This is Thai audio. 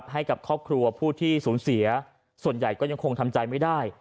ให้กับครอบครัวผู้ที่สูญเสียส่วนใหญ่ก็ยังคงทำใจไม่ได้